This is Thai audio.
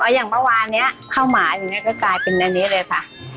อย่างเมื่อวานนี้ข้าวหมาอย่างนี้ก็กลายเป็นอันนี้เลยค่ะ